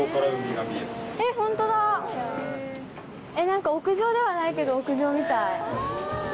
何か屋上ではないけど屋上みたい。